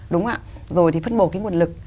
đúng không ạ rồi thì phân bổ cái nguồn lực